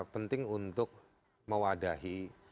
penting untuk mewadahi